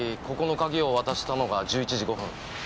ここの鍵を渡したのが１１時５分。